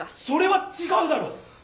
それは違うだろ！